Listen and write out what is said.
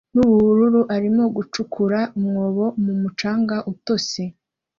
nubururu arimo gucukura umwobo mumucanga utose